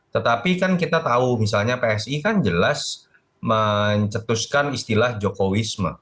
tetapi kan kita tahu misalnya psi kan jelas mencetuskan istilah jokowisme